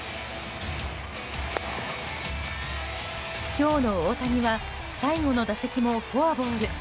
今日の大谷は最後の打席もフォアボール。